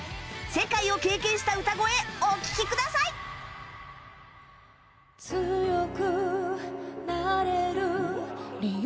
世界を経験した歌声お聴きくださいうわ。